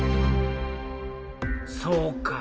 そうか。